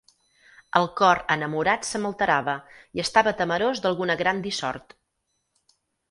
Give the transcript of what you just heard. El cor, enamorat, se m'alterava, i estava temerós d'alguna gran dissort.